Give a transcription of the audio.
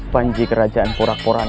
banji kerajaan purakhara